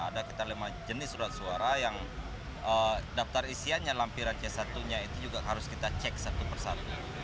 ada kita lima jenis surat suara yang daftar isiannya lampiran c satu nya itu juga harus kita cek satu persatu